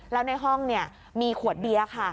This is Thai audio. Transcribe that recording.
แล้วในห้องมีขวดเบียร์ค่ะ